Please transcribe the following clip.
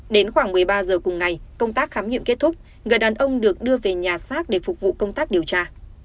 đến khoảng một mươi ba giờ cùng ngày công tác khám nghiệm kết thúc người đàn ông được đưa về nhà xác để phục vụ công tác điều tra